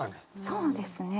そうですね。